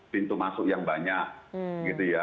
pintu masuk yang banyak